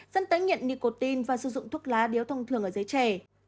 dẫn tới nghiện nicotine và sử dụng thuốc lá đều thông thường ở giới trẻ